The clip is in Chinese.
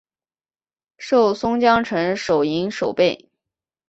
授松江城守营守备。